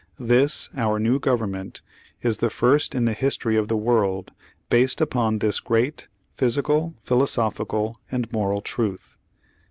This, our new Government, is the first in the history of the woi ld, based upon this great physical, philosophical, and moral truth."